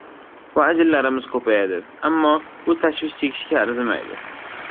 va ajinlarimiz ko‘payadi. Ammo, bu tashvish chekishga arzimaydi.